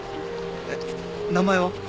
えっ名前は？